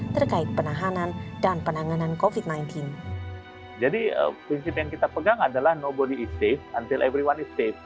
tidak hanya minim tenaga kesehatan